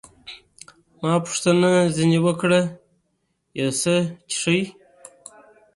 ما پوښتنه ځیني وکړل، یو څه څښئ؟